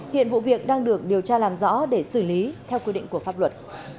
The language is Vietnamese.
hiện vụ việc đang được điều tra làm rõ để xử lý theo quy định của pháp luật